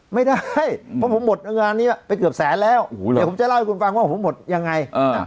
ไม่ได้ว่าผมหมดเงินนี้ปะไปเกือบแสนแล้วแต่จะเล่าให้คุณฟังว่าวันนี้ของผมหมดยังไง